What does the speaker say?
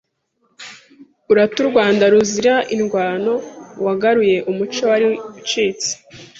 Urata u Rwanda ruzira indwano Wagaruye umuco wari ucitse